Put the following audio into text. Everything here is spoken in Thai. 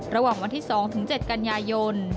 ระหว่างวันที่๒๗กันยายน